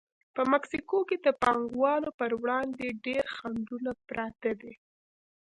په مکسیکو کې د پانګوالو پر وړاندې ډېر خنډونه پراته دي.